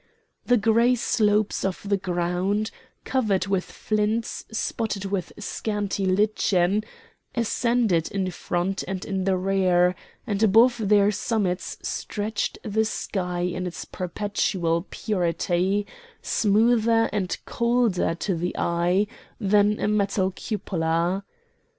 The grey slopes of the ground, covered with flints spotted with scanty lichen, ascended in front and in the rear, and above their summits stretched the sky in its perpetual purity, smoother and colder to the eye than a metal cupola.